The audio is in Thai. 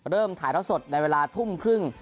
เริ่มถ่ายรถสดในเวลาทุ่มครึ่ง